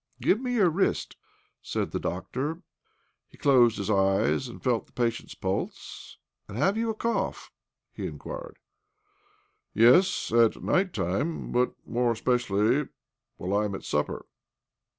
" Give me your wrist," said the doctor. He closed his eyes and felt the patient's pulse. "And have you a cough?" he in quired . "Yes— at night time, but more especially while I am at supper."